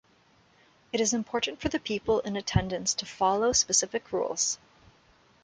It is important for the people in attendance to follow specific rules.